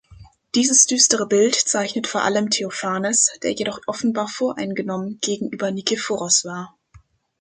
Dieses düstere Bild zeichnet vor allem Theophanes, der jedoch offenbar voreingenommen gegenüber Nikephoros war.